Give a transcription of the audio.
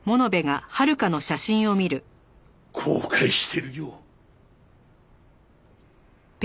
後悔してるよ。